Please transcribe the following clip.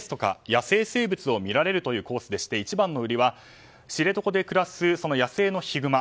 野生生物を見られるコースで一番の売りは知床で暮らす野生のヒグマ。